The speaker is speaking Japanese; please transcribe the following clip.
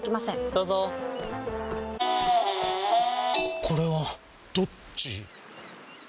どうぞこれはどっち？